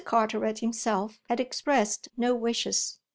Carteret himself had expressed no wishes.